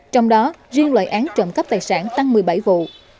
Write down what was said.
trong đó riêng loại án trộm cắp tài sản tăng một mươi bảy vụ